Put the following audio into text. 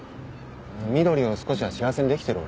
みどりを少しは幸せにできてる？